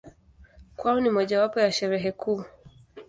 Kwao ni mojawapo ya Sherehe kuu.